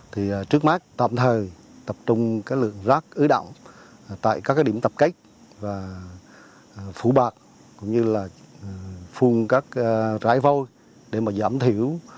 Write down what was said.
thì trước mắt tạm thời tập trung cái lượng rác ứ động tại các cái điểm tập kết và phủ bạc cũng như là phun các trái vôi để mà giảm thiểu